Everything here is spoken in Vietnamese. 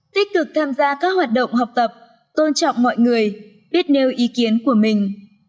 tích cực tham gia các hoạt động học tập tôn trọng mọi người biết nêu ý kiến của mình